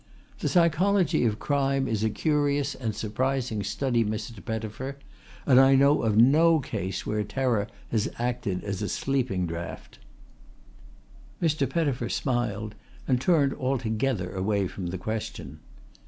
The pyschology of crime is a curious and surprising study, Mr. Pettifer, but I know of no case where terror has acted as a sleeping draught." Mr. Pettifer smiled and turned altogether away from the question.